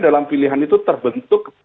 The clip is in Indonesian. dalam pilihan itu terbentuk